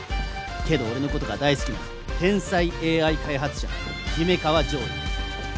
けど俺のことが大好きな天才ＡＩ開発者姫川烝位。